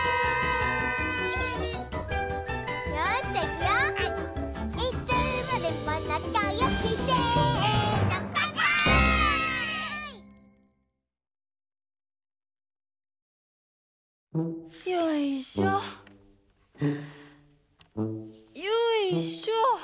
よいしょっ！